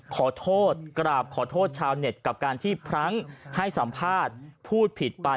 ขอโทษกราบขอโทษชาวเน็ตกับการที่พลั้งให้สัมภาษณ์พูดผิดไป